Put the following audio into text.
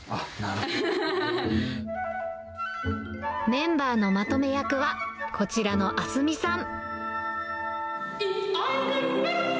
メンバーのまとめ役は、こちらのあすみさん。